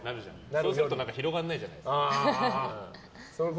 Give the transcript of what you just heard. そうすると広がらないじゃないですか。